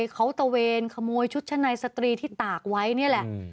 เขาตะเวนขโมยชุดชั้นในสตรีที่ตากไว้นี่แหละ